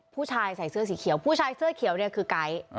ผู้ชายใส่เสื้อสีเขียวผู้ชายเสื้อเขียวเนี่ยคือไก๊